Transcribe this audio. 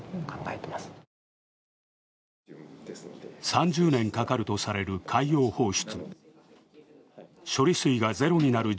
３０年かかるとされる海洋放出。